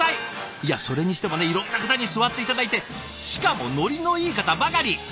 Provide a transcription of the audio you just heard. いやそれにしてもねいろんな方に座って頂いてしかもノリのいい方ばかり！